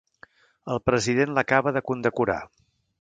El president l'acaba de condecorar.